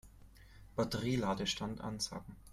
Batterie-Ladestand ansagen.